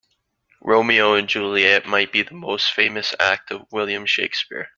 Romeo and Juliet might be the most famous act of William Shakespeare.